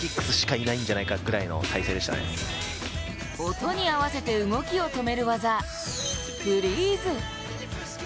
音に合わせて動きを止める技、フリーズ。